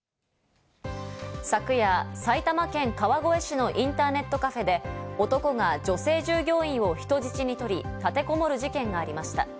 昨夜、埼玉県川越市のインターネットカフェで男が女性従業員を人質に取り、立てこもる事件がありました。